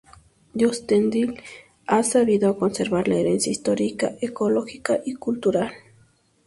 Kyustendil ha sabido conservar la herencia histórica, ecológica y cultural.